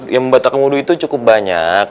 yang membatalkan wudu itu cukup banyak